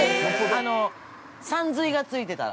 「さんずい」がついてたら。